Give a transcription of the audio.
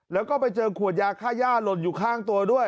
แล้วก็ไปเจอขวดยาค่าย่าหล่นอยู่ข้างตัวด้วย